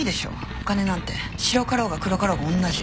お金なんて白かろうが黒かろうが同じ。